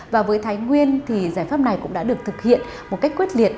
và với thái nguyên thì giải pháp này cũng đã được thực hiện một cách quyết liệt